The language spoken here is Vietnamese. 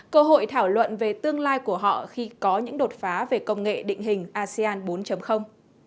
cơ hội thảo luận về tương lai của họ khi có những đột phá về công nghệ định hình asean bốn